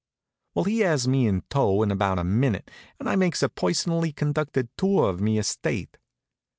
Well, he has me in tow in about a minute, and I makes a personally conducted tour of me estate.